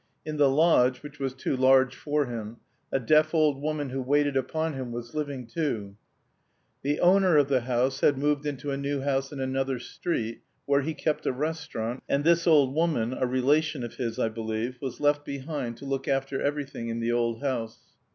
In the lodge, which was too large for him, a deaf old woman who waited upon him was living too. The owner of the house had moved into a new house in another street, where he kept a restaurant, and this old woman, a relation of his, I believe, was left behind to look after everything in the old house.